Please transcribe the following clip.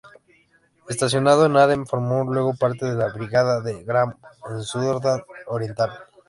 Estacionado en Aden formó luego parte de la brigada de Graham en Sudán Oriental.